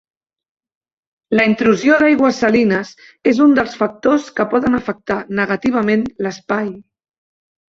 La intrusió d'aigües salines és un dels factors que poden afectar negativament l'espai.